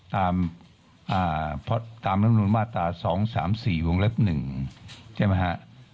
ตามลำนวนมาตรา๒๓๔วงเล็บ๑ใช่ไหมฮะ